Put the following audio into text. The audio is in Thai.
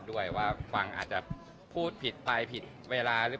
ว่าฟังอาจจะพูดผิดไปผิดเวลา